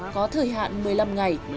có thời hạn một mươi năm ngày